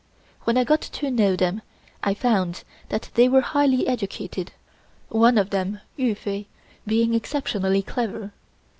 When I got to know them I found that they were highly educated, one of them, Yu Fai, being exceptionally clever.